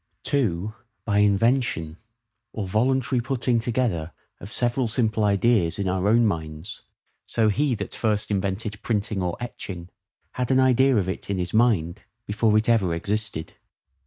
(2) By INVENTION, or voluntary putting together of several simple ideas in our own minds: so he that first invented printing or etching, had an idea of it in his mind before it ever existed.